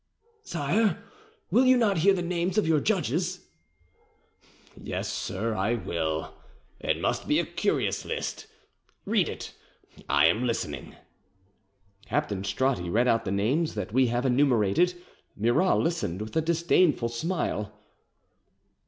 "Sire, will you not hear the names of your judges?" "Yes, sir, I will. It must be a curious list. Read it: I am listening." Captain Stratti read out the names that we have enumerated. Murat listened with a disdainful smile.